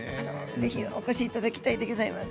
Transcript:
ぜひお越しいただきたいと思います。